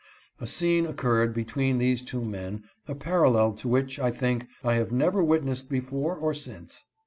A scene occurred between these two men, a parallel to which I think I have never wit nessed before or since.